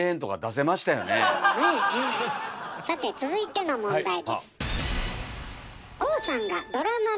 さて続いての問題です。